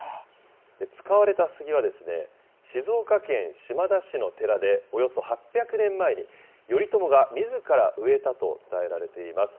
使われた杉は、静岡県島田市の寺でおよそ８００年前に頼朝がみずから植えたと伝えられています。